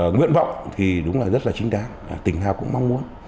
nguyện vọng thì đúng là rất là chính đáng tình hào cũng mong muốn